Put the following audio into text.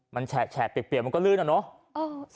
มันแช่เปลี่ยนมันก็ลื่นเหรอนะ